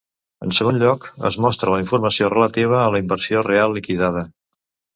En segon lloc, es mostra la informació relativa a la inversió real liquidada.